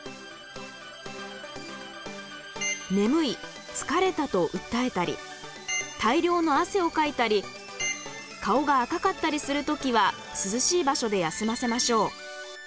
眠い疲れたと訴えたり大量の汗をかいたり顔が赤かったりする時は涼しい場所で休ませましょう。